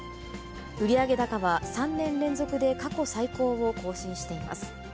売上高は３年連続で過去最高を更新しています。